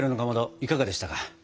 いかがでしたか？